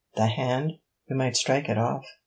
'The hand? You might strike it off.'